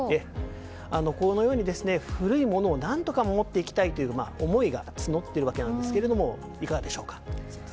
このように古いものを何とか守っていきたいという思いが募っているわけなんですがいかがでしょうか？